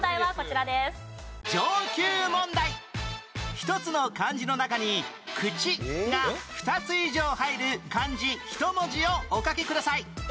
１つの漢字の中に「口」が２つ以上入る漢字１文字をお書きください